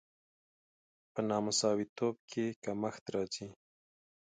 په نامساواتوب کې کمښت راځي.